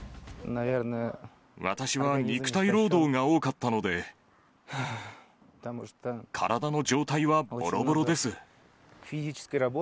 私は肉体労働が多かったので、体の状態はぼろぼろです。